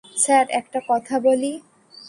Sir, একটা কথা বলি?